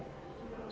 điều tra viên